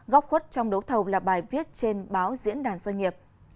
góc khuất trong đấu thầu là bài viết trên báo diễn đàn doanh nghiệp